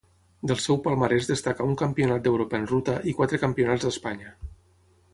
Del seu palmarès destaca un Campionat d'Europa en ruta i quatre Campionats d'Espanya.